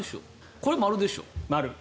これ○でしょ。